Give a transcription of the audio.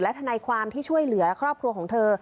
ทนายความที่ช่วยเหลือครอบครัวของเธอ